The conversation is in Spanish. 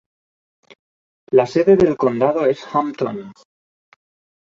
La sede del condado es Hampton.